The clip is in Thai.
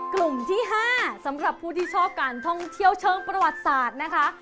กลุ่มที่๕สำหรับผู้ที่ชอบการท่องเที่ยวเชิงประวัติศาสตร์นะคะ